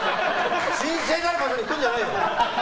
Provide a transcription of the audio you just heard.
神聖なる場所で拭くんじゃないよ！